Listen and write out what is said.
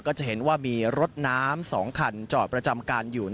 จะเห็นว่ามีรถน้ำ๒คันจอดประจำการอยู่